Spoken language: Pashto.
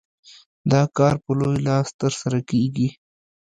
دا کار په لوی لاس ترسره کېږي.